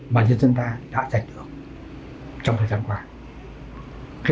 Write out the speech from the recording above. mà nhân dân ta đã giành được trong thời gian qua